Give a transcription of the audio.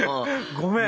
ごめん！